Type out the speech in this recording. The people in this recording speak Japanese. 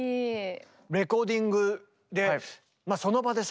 レコーディングでその場でさ